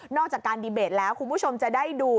จากการดีเบตแล้วคุณผู้ชมจะได้ดู